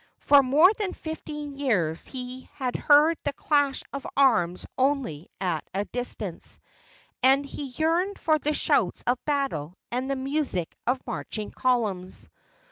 For more than fifteen years he had heard the clash of arms only at a distance, and he yearned for the shouts of battle and the music of marching columns.